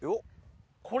これ？